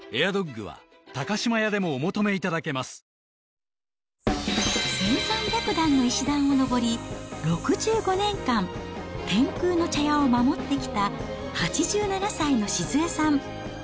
ニトリ１３００段の石段を上り、６５年間、天空の茶屋を守ってきた８７歳の静恵さん。